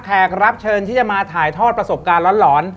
แขกรับเชิญที่จะมาถ่ายทอดประสบการณ์หลอน